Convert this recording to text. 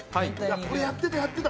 これ、やってた、やってた。